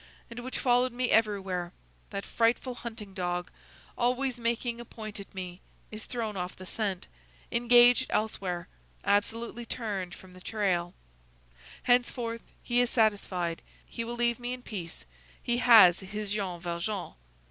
and which followed me everywhere; that frightful hunting dog, always making a point at me, is thrown off the scent, engaged elsewhere, absolutely turned from the trail: henceforth he is satisfied; he will leave me in peace; he has his Jean Valjean.